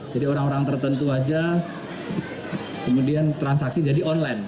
jadi orang orang tertentu aja kemudian transaksi jadi online